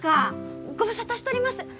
ご無沙汰しとります。